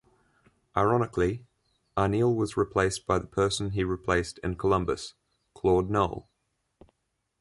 Ironically, Arniel was replaced by the person he replaced in Columbus, Claude Noel.